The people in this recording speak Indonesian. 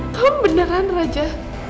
aku beneran raja